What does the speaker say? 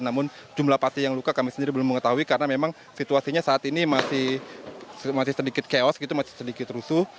namun jumlah pasti yang luka kami sendiri belum mengetahui karena memang situasinya saat ini masih sedikit chaos gitu masih sedikit rusuh